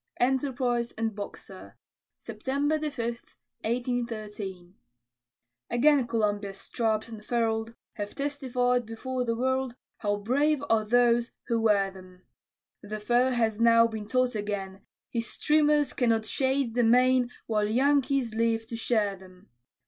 ENTERPRISE AND BOXER [September 5, 1813] Again Columbia's stripes, unfurl'd, Have testified before the world, How brave are those who wear 'em; The foe has now been taught again His streamers cannot shade the main While Yankees live to share 'em.